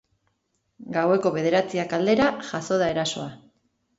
Gaueko bederatziak aldera jazo da erasoa.